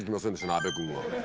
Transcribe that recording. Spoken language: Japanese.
阿部君が。